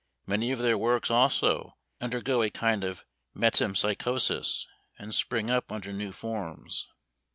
Many of their works, also, undergo a kind of metempsychosis, and spring up under new forms.